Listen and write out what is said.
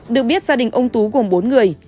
được biết gia đình ông tú gồm bốn người